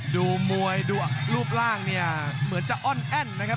ดูมวยรูปร่างเนี่ยเหมือนจะอ้อนแอ้นนะครับ